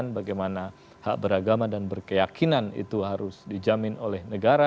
bagaimana hak beragama dan berkeyakinan itu harus dijamin oleh negara